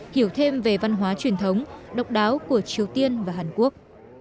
hiểu thêm về văn hóa truyền thống độc đáo của triều tiên và hàn quốc